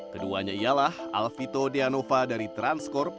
keduanya ialah alvito deanova dari transkorp